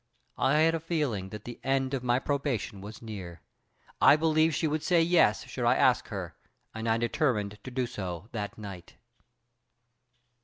I had a feeling that the end of my probation was near. I believed she would say 'yes' should I ask her, and I determined to do so that night.